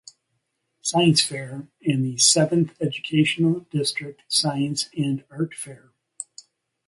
Science Fair and the Seventh Educational District Science and Art Fair.